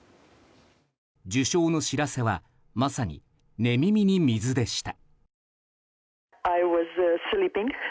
受賞の知らせは、まさに寝耳に水でした。